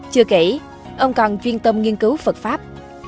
chưa kể ông còn chuyên tâm nghiên cứu phật pháp